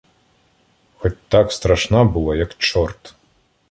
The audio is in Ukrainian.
Хоть так страшна була, як чорт.